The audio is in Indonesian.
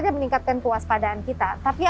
jadi nggak bisa jadinya musi